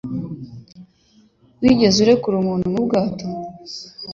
Wigeze urekura umuntu mu bwato?